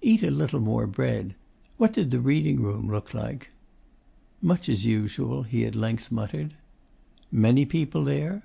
Eat a little more bread. What did the reading room look like?' 'Much as usual,' he at length muttered. 'Many people there?